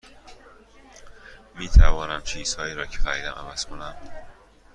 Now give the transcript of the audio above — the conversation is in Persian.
می توانم چیزهایی را که خریدم عوض کنم؟